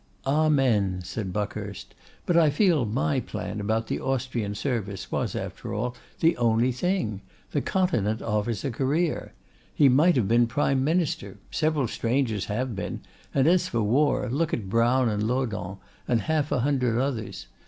'Amen!' said Buckhurst; 'but I feel my plan about the Austrian service was, after all, the only thing. The Continent offers a career. He might have been prime minister; several strangers have been; and as for war, look at Brown and Laudohn, and half a hundred others.